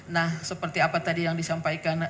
nah seperti apa tadi yang disampaikan